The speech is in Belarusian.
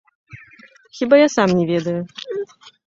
Хіба я сам не ведаю.